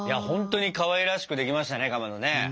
本当にかわいらしくできましたねかまどね。